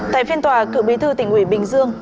tại phiên tòa cựu bí thư tỉnh ủy bình dương